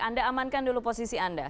anda amankan dulu posisi anda